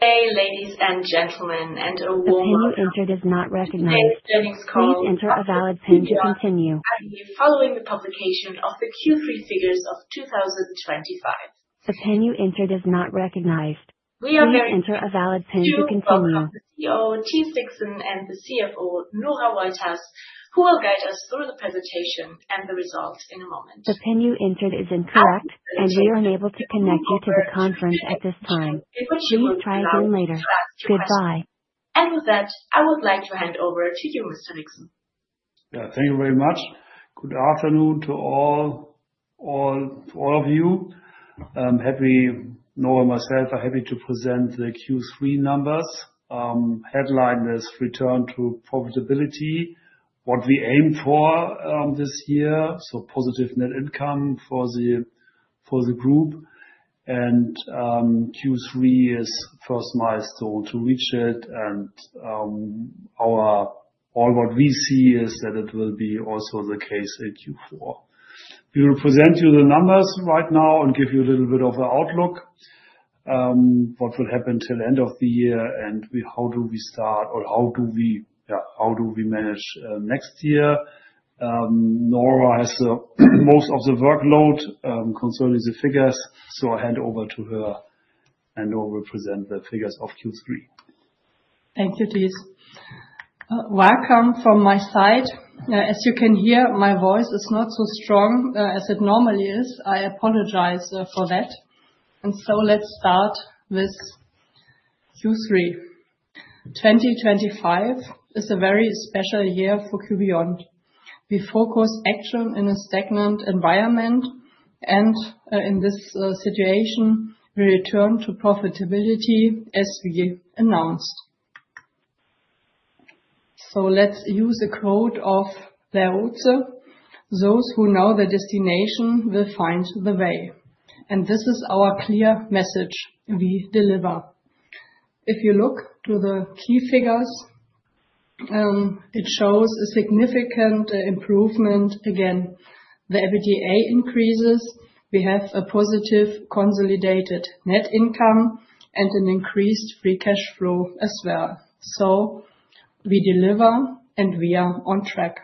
Hey, ladies and gentlemen, and a warm welcome. The pen you entered is not recognized. Thanks, Caspar Coppetti. Please enter a valid PIN to continue. I am following the publication of the Q3 figures of 2025. The pen you entered is not recognized. We are very— Please enter a valid PIN to continue. Jürgen Hermann, the CEO, Thies Nielsen, and the CFO, Nora Wolters, who will guide us through the presentation and the results in a moment. The PIN you entered is incorrect, and we are unable to connect you to the conference at this time. Please try again later. Goodbye. With that, I would like to hand over to you, Thies Rixen. Yeah, thank you very much. Good afternoon to all of you. Nora and myself are happy to present the Q3 numbers. Headline is "Return to Profitability: What We Aimed For," this year. Positive net income for the group. Q3 is the first milestone to reach it. All what we see is that it will be also the case in Q4. We will present you the numbers right now and give you a little bit of an outlook, what will happen till the end of the year, and how do we start, or how do we manage, next year? Nora has the most of the workload, concerning the figures, so I hand over to her, and I will present the figures of Q3. Thank you, Thies. Welcome from my side. As you can hear, my voice is not so strong as it normally is. I apologize for that. Let's start with Q3. 2025 is a very special year for q.beyond. We focus action in a stagnant environment, and, in this situation, we return to profitability as we announced. Let's use a quote of Lao Tzu: "Those who know the destination will find the way." This is our clear message we deliver. If you look to the key figures, it shows a significant improvement. Again, the EBITDA increases. We have a positive consolidated net income and an increased free cash flow as well. We deliver, and we are on track.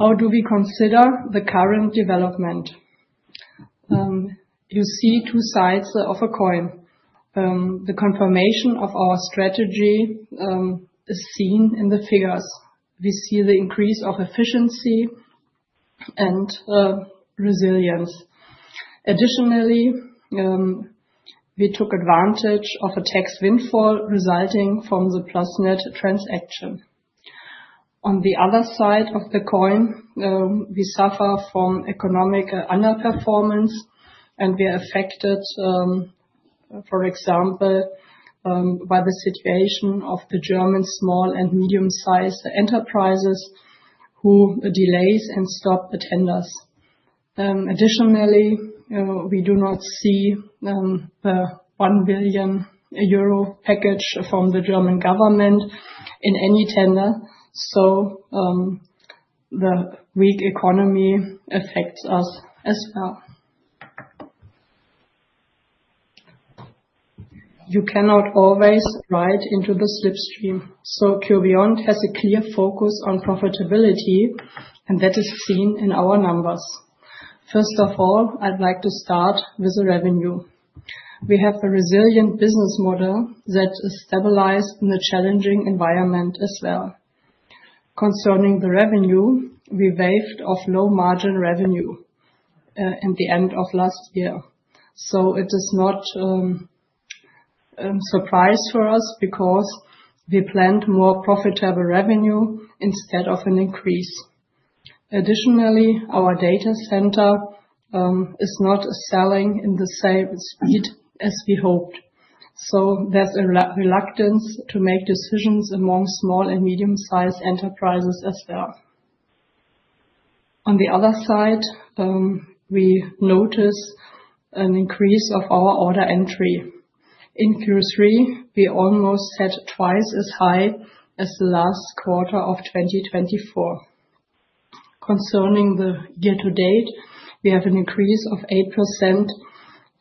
How do we consider the current development? You see two sides of a coin. The confirmation of our strategy is seen in the figures. We see the increase of efficiency and resilience. Additionally, we took advantage of a tax windfall resulting from the Plusnet transaction. On the other side of the coin, we suffer from economic underperformance, and we are affected, for example, by the situation of the German small and medium-sized enterprises who delay and stop tenders. Additionally, we do not see the 1 billion euro package from the German government in any tender. The weak economy affects us as well. You cannot always ride into the slipstream. Q.beyond has a clear focus on profitability, and that is seen in our numbers. First of all, I'd like to start with the revenue. We have a resilient business model that is stabilized in a challenging environment as well. Concerning the revenue, we waved off low-margin revenue at the end of last year. It is not a surprise for us because we planned more profitable revenue instead of an increase. Additionally, our data center is not selling at the same speed as we hoped. There is a reluctance to make decisions among small and medium-sized enterprises as well. On the other side, we notice an increase of our order entry. In Q3, we almost had twice as high as the last quarter of 2024. Concerning the year-to-date, we have an increase of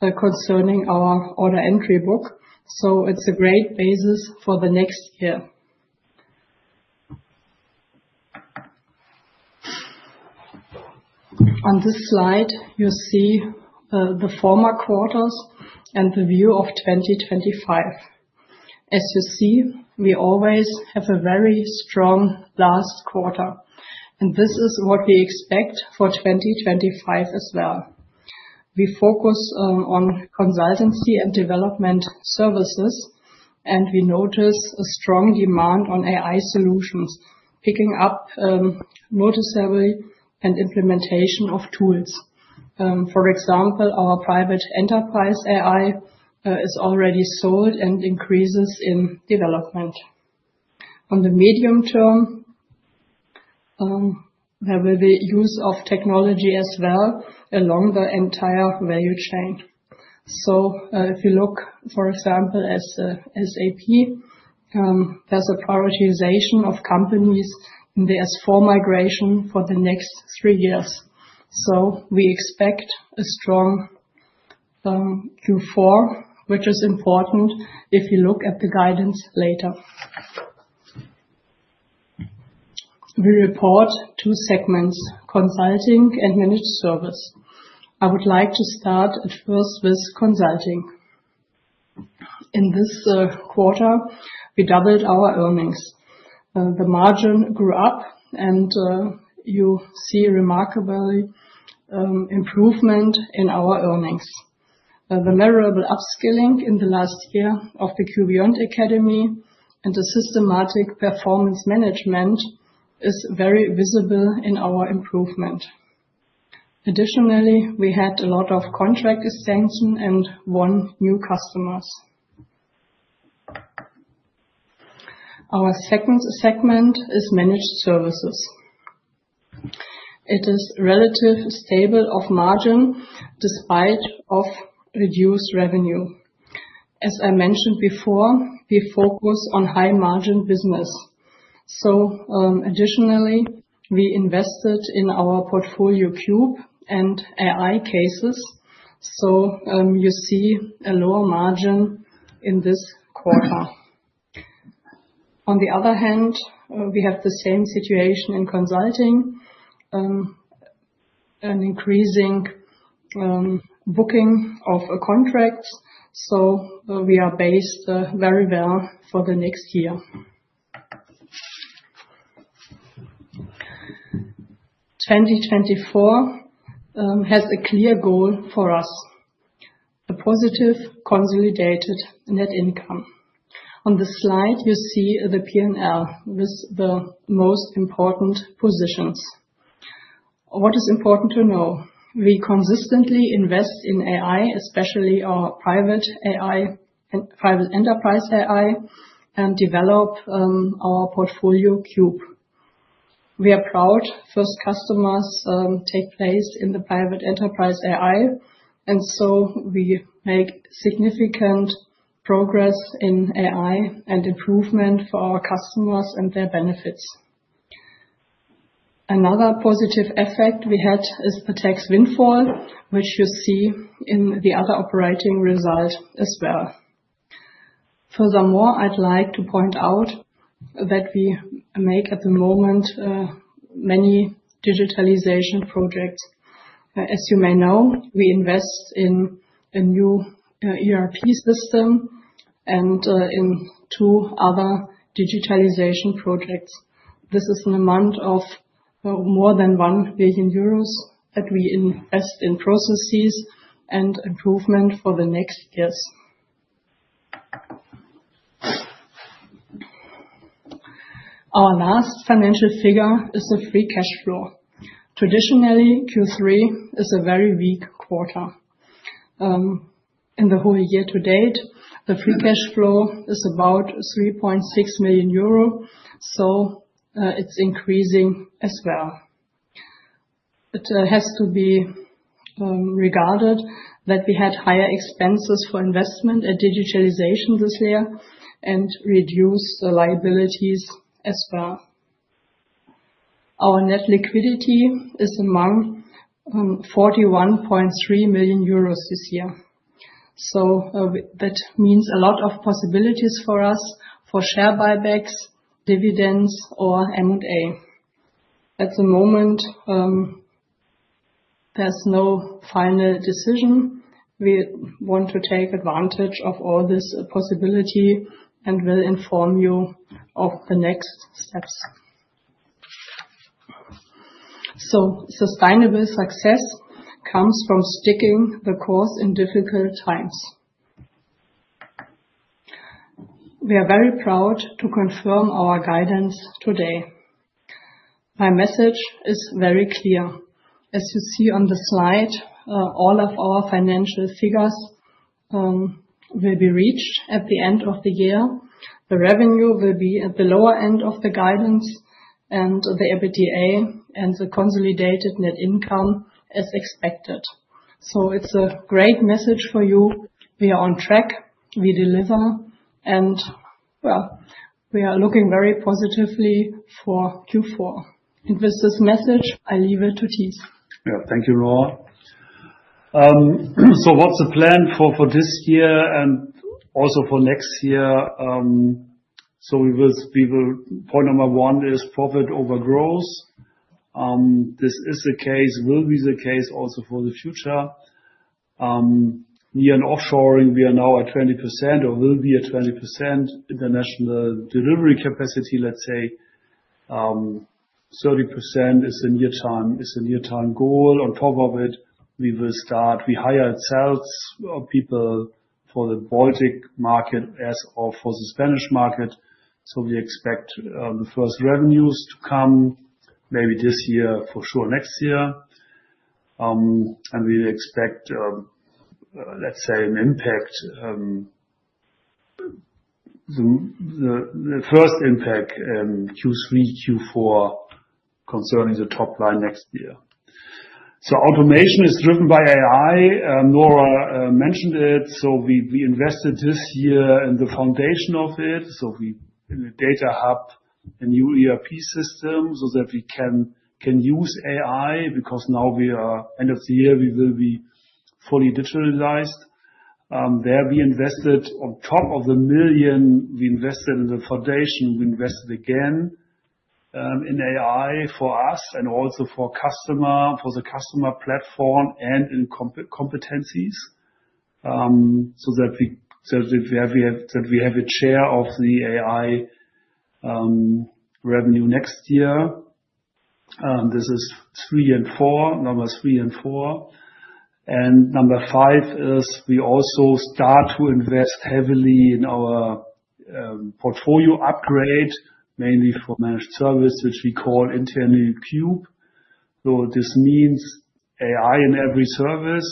8% concerning our order entry book. It is a great basis for the next year. On this slide, you see the former quarters and the view of 2025. As you see, we always have a very strong last quarter, and this is what we expect for 2025 as well. We focus on consultancy and development services, and we notice a strong demand on AI solutions, picking up noticeably, and implementation of tools. For example, our Private Enterprise AI is already sold and increases in development. On the medium term, there will be use of technology as well along the entire value chain. If you look, for example, at SAP, there's a prioritization of companies in the S/4 migration for the next three years. We expect a strong Q4, which is important if you look at the guidance later. We report two segments: consulting and managed service. I would like to start at first with consulting. In this quarter, we doubled our earnings. The margin grew up, and you see a remarkable improvement in our earnings. The memorable upskilling in the last year of the q.beyond Academy and the systematic performance management is very visible in our improvement. Additionally, we had a lot of contract extensions and won new customers. Our second segment is Managed Services. It is relatively stable of margin despite reduced revenue. As I mentioned before, we focus on high-margin business. Additionally, we invested in our Portfolio Cube and AI cases. You see a lower margin in this quarter. On the other hand, we have the same situation in Consulting, an increasing booking of contracts. We are based very well for the next year. 2024 has a clear goal for us: a positive consolidated net income. On this slide, you see the P&L with the most important positions. What is important to know? We consistently invest in AI, especially our private AI and Private Enterprise AI, and develop our Portfolio Cube. We are proud first customers take place in the Private Enterprise AI, and so we make significant progress in AI and improvement for our customers and their benefits. Another positive effect we had is the tax windfall, which you see in the other operating result as well. Furthermore, I'd like to point out that we make at the moment many digitalization projects. As you may know, we invest in a new ERP system and in two other digitalization projects. This is an amount of more than 1 billion euros that we invest in processes and improvement for the next years. Our last financial figure is the free cash flow. Traditionally, Q3 is a very weak quarter. In the whole year to date, the free cash flow is about 3.6 million euro, so, it's increasing as well. It has to be regarded that we had higher expenses for investment at digitalization this year and reduced liabilities as well. Our net liquidity is among 41.3 million euros this year. That means a lot of possibilities for us for share buybacks, dividends, or M&A. At the moment, there's no final decision. We want to take advantage of all this possibility and will inform you of the next steps. Sustainable success comes from sticking the course in difficult times. We are very proud to confirm our guidance today. My message is very clear. As you see on the slide, all of our financial figures will be reached at the end of the year. The revenue will be at the lower end of the guidance and the EBITDA and the consolidated net income as expected. It is a great message for you. We are on track. We deliver. We are looking very positively for Q4. With this message, I leave it to Thies. Yeah, thank you, Nora. So what's the plan for this year and also for next year? We will, point number one is profit over growth. This is the case, will be the case also for the future. Near and offshoring, we are now at 20% or will be at 20% international delivery capacity, let's say, 30% is the near-term goal. On top of it, we will start, we hire ourselves or people for the Baltic market as well for the Spanish market. We expect the first revenues to come maybe this year, for sure next year. We expect, let's say, an impact, the first impact, Q3, Q4 concerning the top line next year. Automation is driven by AI. Nora mentioned it. We invested this year in the foundation of it. We in the data hub, a new ERP system so that we can use AI because now we are end of the year, we will be fully digitalized. There we invested on top of the million, we invested in the foundation, we invested again in AI for us and also for the customer, for the customer platform and in competencies. So that we have a share of the AI revenue next year. This is three and four, number three and four. Number five is we also start to invest heavily in our portfolio upgrade, mainly for managed service, which we call internal cube. This means AI in every service.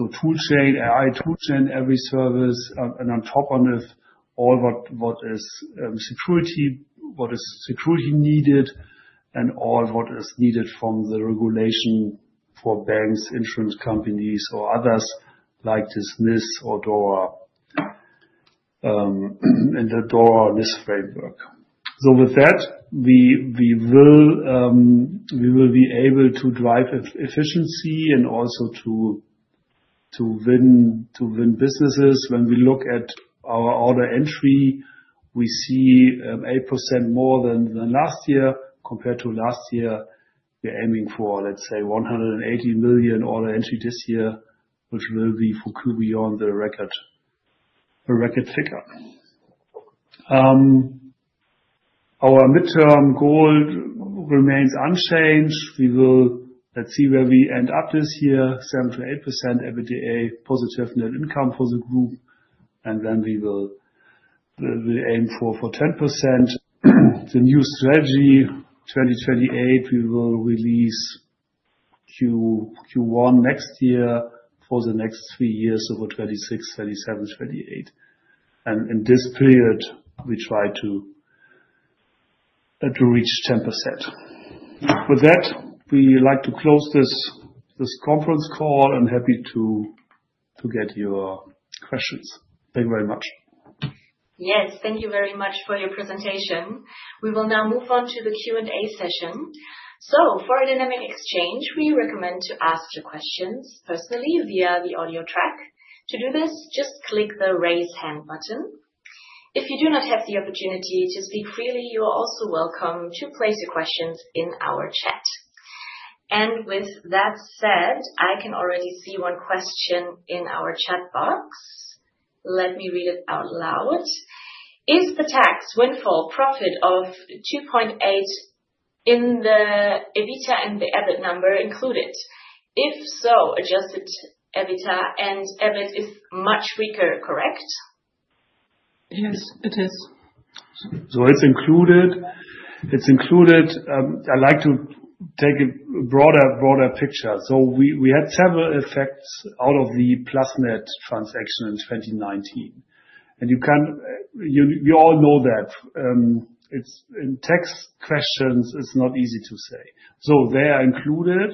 AI toolchain in every service, and on top of it, all what is security, what is security needed, and all what is needed from the regulation for banks, insurance companies, or others like this NIS or DORA, and the DORA NIS framework. With that, we will be able to drive efficiency and also to win businesses. When we look at our order entry, we see 8% more than last year compared to last year. We're aiming for, let's say, 180 million order entry this year, which will be for q.beyond, a record figure. Our midterm goal remains unchanged. We will, let's see where we end up this year, 7%-8% EBITDA positive net income for the group. We aim for 10%. The new strategy 2028, we will release Q1 next year for the next three years over 2026, 2027, 2028. In this period, we try to reach 10%. With that, we like to close this conference call and happy to get your questions. Thank you very much. Yes, thank you very much for your presentation. We will now move on to the Q&A session. For a dynamic exchange, we recommend to ask your questions personally via the audio track. To do this, just click the raise hand button. If you do not have the opportunity to speak freely, you are also welcome to place your questions in our chat. With that said, I can already see one question in our chat box. Let me read it out loud. Is the tax windfall profit of 2.8 million in the EBITDA and the EBIT number included? If so, adjusted EBITDA and EBIT is much weaker, correct? Yes, it is. It's included. It's included. I like to take a broader, broader picture. We had several effects out of the Plusnet transaction in 2019. You all know that, in tax questions, it's not easy to say. They are included.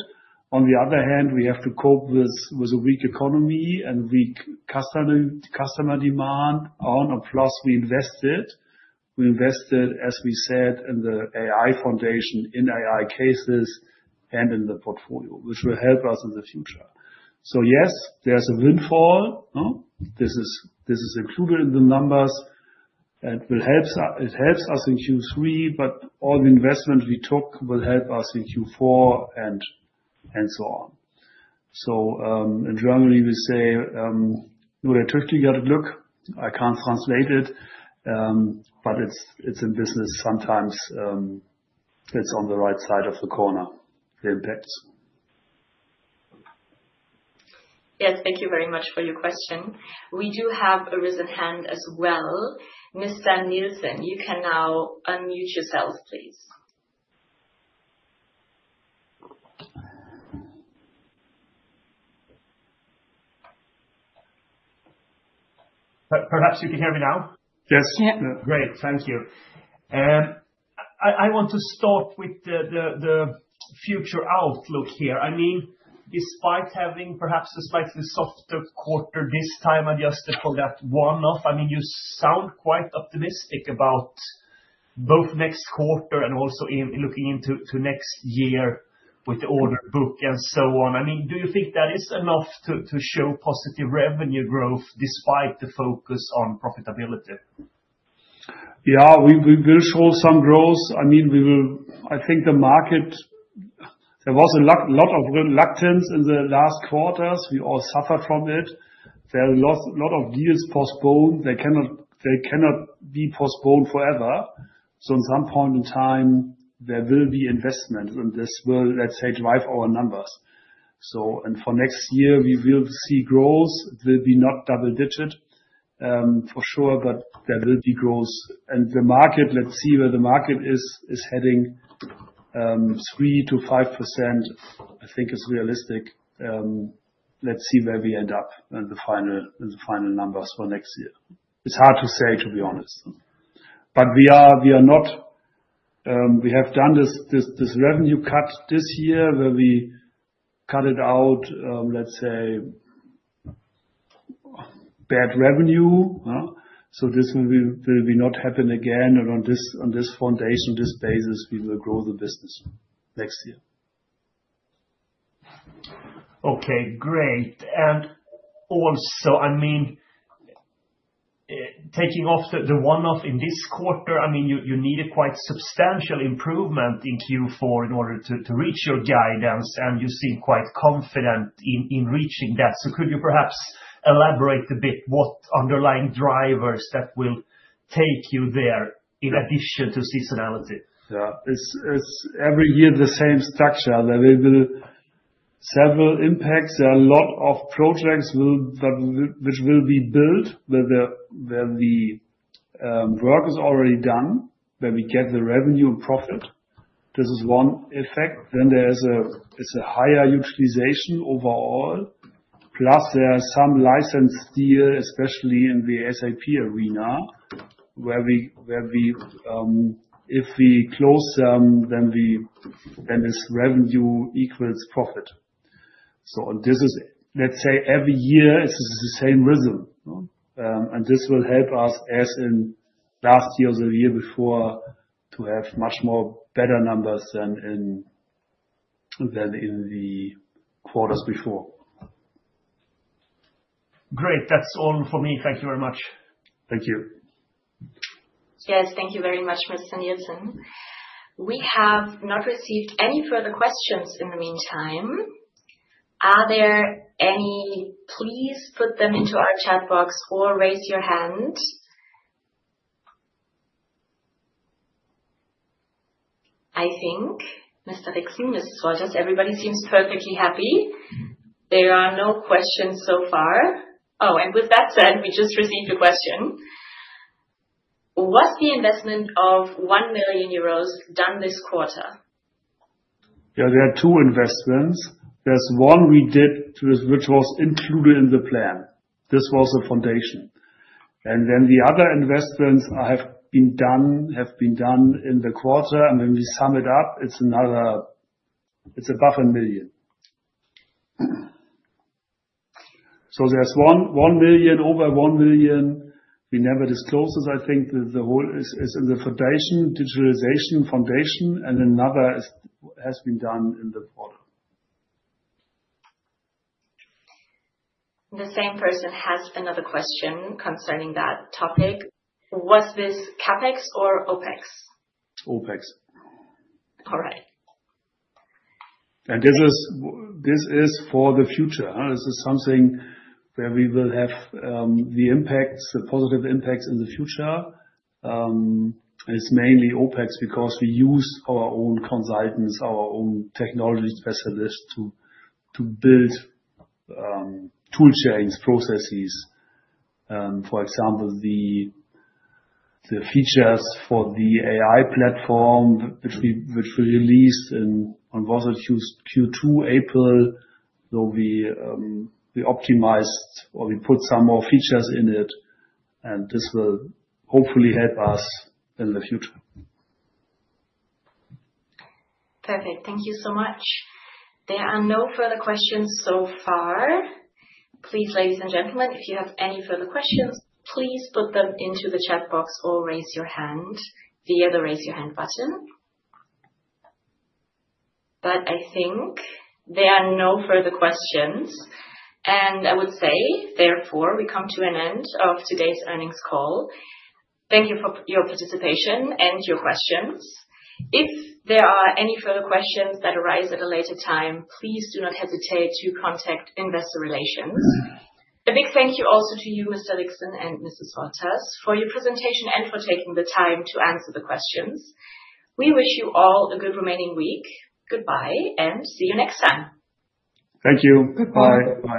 On the other hand, we have to cope with a weak economy and weak customer demand on a plus. We invested, as we said, in the AI foundation, in AI cases, and in the portfolio, which will help us in the future. Yes, there's a windfall. No, this is included in the numbers and will help us, it helps us in Q3, but all the investment we took will help us in Q4 and so on. In Germany we say, [Foreign languate]. I can't translate it, but it's in business sometimes, it's on the right side of the corner, the impacts. Yes, thank you very much for your question. We do have a raised hand as well. Mr. Nielsen, you can now unmute yourself, please. Perhaps you can hear me now? Yes. Yeah. Great. Thank you. I want to start with the future outlook here. I mean, despite having perhaps despite the softer quarter this time adjusted for that one-off, I mean, you sound quite optimistic about both next quarter and also in looking into next year with the order book and so on. I mean, do you think that is enough to show positive revenue growth despite the focus on profitability? Yeah. We will show some growth. I mean, we will, I think the market, there was a lot of reluctance in the last quarters. We all suffered from it. There are a lot of deals postponed. They cannot be postponed forever. At some point in time, there will be investment and this will, let's say, drive our numbers. For next year, we will see growth. It will be not double digit, for sure, but there will be growth. The market, let's see where the market is heading, 3%-5%. I think it's realistic. Let's see where we end up in the final numbers for next year. It's hard to say, to be honest, but we are not, we have done this revenue cut this year where we cut out, let's say, bad revenue. This will not happen again. On this foundation, on this basis, we will grow the business next year. Okay. Great. Also, I mean, taking off the one-off in this quarter, I mean, you need a quite substantial improvement in Q4 in order to reach your guidance. You seem quite confident in reaching that. Could you perhaps elaborate a bit what underlying drivers that will take you there in addition to seasonality? Yeah. It's every year the same structure that there will be several impacts. There are a lot of projects that will be built where the work is already done, where we get the revenue and profit. This is one effect. Then there is a higher utilization overall. Plus there are some license deals, especially in the SAP arena where we, if we close them, then this revenue equals profit. This is, let's say, every year it's the same rhythm, and this will help us as in last year or the year before to have much better numbers than in the quarters before. Great. That's all for me. Thank you very much. Thank you. Yes. Thank you very much, Mr. Nielsen. We have not received any further questions in the meantime. Are there any? Please put them into our chat box or raise your hand. I think Mr. Rixen, Ms. Wolters, everybody seems perfectly happy. There are no questions so far. Oh, with that said, we just received a question. Was the investment of 1 million euros done this quarter? Yeah, there are two investments. There's one we did to this, which was included in the plan. This was a foundation. Then the other investments have been done in the quarter. When we sum it up, it's another, it's above 1 million. So there's one, 1 million, over 1 million. We never disclosed this. I think the whole is in the foundation, digitalization foundation. Another has been done in the quarter. The same person has another question concerning that topic. Was this CapEx or OpEx? OpEx. All right. This is for the future. This is something where we will have the impacts, the positive impacts in the future. It's mainly OpEx because we use our own consultants, our own technology specialists to build toolchains, processes. For example, the features for the AI platform, which we released in, on, was it Q2, April, though we optimized or we put some more features in it. This will hopefully help us in the future. Perfect. Thank you so much. There are no further questions so far. Please, ladies and gentlemen, if you have any further questions, please put them into the chat box or raise your hand via the raise your hand button. I think there are no further questions. I would say therefore we come to an end of today's earnings call. Thank you for your participation and your questions. If there are any further questions that arise at a later time, please do not hesitate to contact investor relations. A big thank you also to you, Mr. Rixen and Ms. Wolters, for your presentation and for taking the time to answer the questions. We wish you all a good remaining week. Goodbye and see you next time. Thank you. Goodbye.